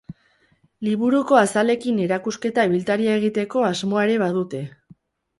Liburuko azalekin erakusketa ibiltaria egiteko asmoa ere badute.